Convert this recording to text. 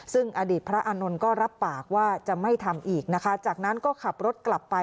ซึ่งอดีตพระอานนท์ก็รับปากว่าจะไม่ทำอีกนะคะจากนั้นก็ขับรถกลับไป